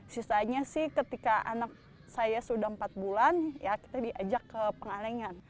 sisanya sih ketika anak saya sudah empat bulan ya kita diajak ke pengalengan